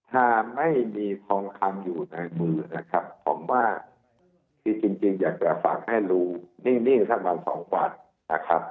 ถ้าไม่มีทองคำอยู่ในมือผมว่า